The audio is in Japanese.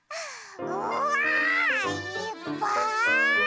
うわ！いっぱい！